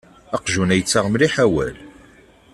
Aqjun-a yettaɣ mliḥ awal.